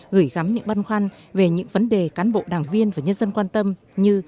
gửi gắm những băn khoăn về những vấn đề cán bộ đảng viên và nhân dân quan tâm như